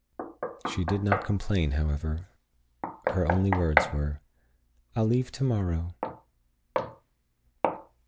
She did not complain, however. Her only words were, "I'll leave tomorrow."